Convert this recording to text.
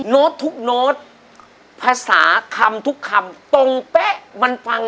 โน้ตทุกโน้ตภาษาคำทุกคำตรงเป๊ะมันฟัง